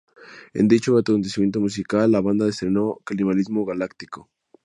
En dicho acontecimiento musical, la banda estrena Canibalismo galáctico.